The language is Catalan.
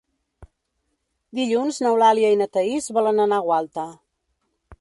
Dilluns n'Eulàlia i na Thaís volen anar a Gualta.